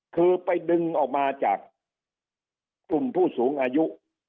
คือไปดึงออกมาจากกลุ่มผู้สูงอายุ